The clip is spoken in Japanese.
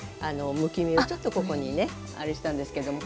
むき身をちょっとここにねあれしたんですけれども。